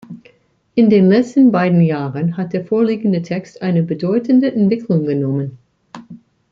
In den letzten beiden Jahren hat der vorliegende Text eine bedeutende Entwicklung genommen.